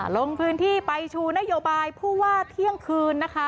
ลงพื้นที่ไปชูนโยบายผู้ว่าเที่ยงคืนนะคะ